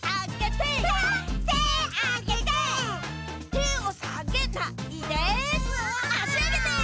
てをさげないであしあげて！